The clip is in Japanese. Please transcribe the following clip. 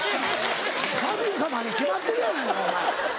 神様に決まってるやないかお前。